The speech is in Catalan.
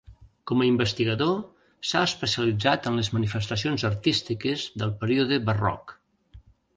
Com a investigador s'ha especialitzat en les manifestacions artístiques del període barroc.